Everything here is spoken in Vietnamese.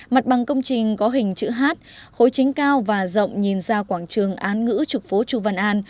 mặt bằng công trình có hình chữ hát khối chính cao và rộng nhìn ra quảng trường án ngữ trục phố chu văn an